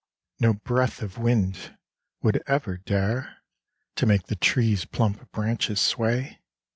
No breath of wind would ever dare To make the trees' plump branches sway.